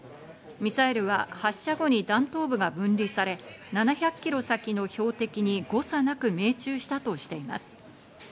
ミサイルは発射後に弾頭部が分離され、７００ｋｍ先の標的に誤差なく命中したとしています。